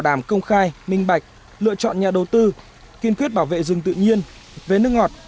đảm công khai minh bạch lựa chọn nhà đầu tư kiên quyết bảo vệ rừng tự nhiên về nước ngọt